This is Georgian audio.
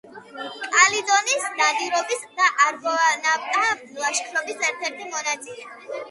კალიდონის ნადირობის და არგონავტთა ლაშქრობის ერთ-ერთი მონაწილე.